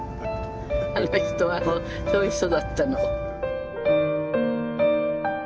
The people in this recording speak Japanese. あの人はそういう人だったの。